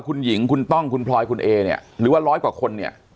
คุณหญิงคุณต้องคุณพลอยคุณเอเนี่ยหรือว่าร้อยกว่าคนเนี่ย